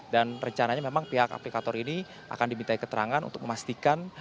dan rencananya memang pihak aplikator ini akan diminta keterangan untuk memastikan